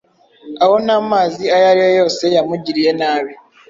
Aho nta mazi ayo ari yo yose yamugiriye nabi